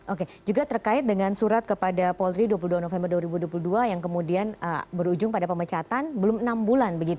oke juga terkait dengan surat kepada polri dua puluh dua november dua ribu dua puluh dua yang kemudian berujung pada pemecatan belum enam bulan begitu